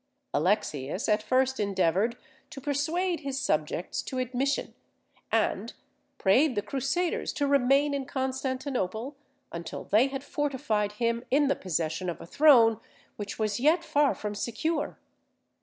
Alexius at first endeavoured to persuade his subjects to admission, and prayed the Crusaders to remain in Constantinople until they had fortified him in the possession of a throne which was yet far from secure.